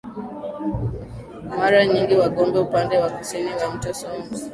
Mara nyingi Wagonde upande wa kusini ya mto Songwe